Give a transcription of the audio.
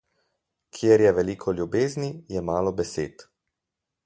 Kjer je veliko ljubezni, je malo besed.